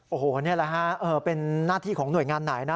โอ้โหนี่แหละฮะเป็นหน้าที่ของหน่วยงานไหนนะ